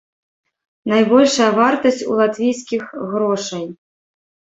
Найбольшая вартасць у латвійскіх грошай.